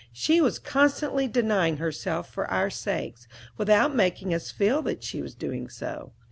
She was constantly denying herself for our sakes, without making us feel that she was doing so.